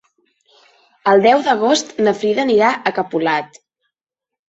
El deu d'agost na Frida anirà a Capolat.